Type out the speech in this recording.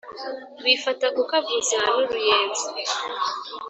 bifata ku kavuza n’u ruyenzi